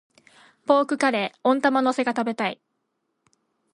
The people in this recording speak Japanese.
ポークカレー、温玉乗せが食べたい。